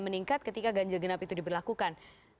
meningkat ketika ganjil genap itu diberlakukan